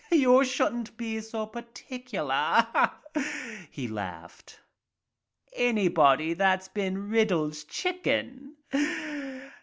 "You shouldn't be so particular," he laughed. "Anybody that's been Riddle's chicken.